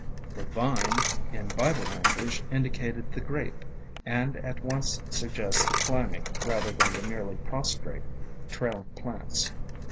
"The Vine" in Bible lan guage indi cated the Grape, and at once suggests the climbing rather than the merely prostrate trailing plants.